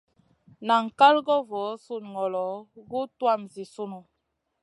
Nan kal voo sùn ŋolo guʼ tuwmaʼ Zi sunu.